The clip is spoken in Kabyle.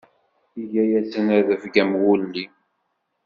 Iga-asen rebg am wulli.